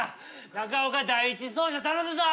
中岡第１走者頼むぞ！